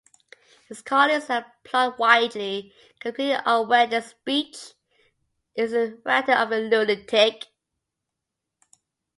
His colleagues applaud wildly, completely unaware the speech is the ranting of a lunatic.